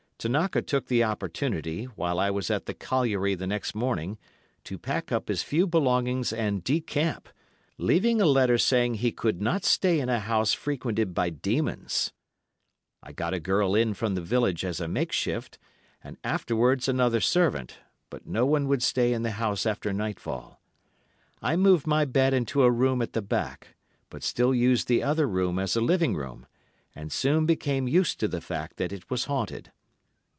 Tanaka took the opportunity, while I was at the colliery the next morning, to pack up his few belongings and decamp, leaving a letter saying he could not stay in a house frequented by demons. I got a girl in from the village as a makeshift, and afterwards another servant, but no one would stay in the house after nightfall. I moved my bed into a room at the back, but still used the other room as a living room, and soon became used to the fact that it was haunted.